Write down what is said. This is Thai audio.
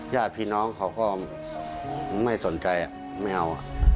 ญาติพี่น้องเขาก็ไม่สนใจไม่เอา